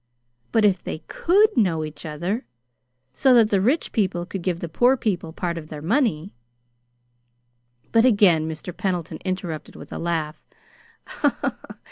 But if they COULD know each other, so that the rich people could give the poor people part of their money " But again Mr. Pendleton interrupted with a laugh.